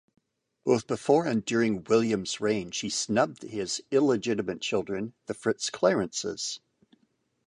Both before and during William's reign, she snubbed his illegitimate children, the FitzClarences.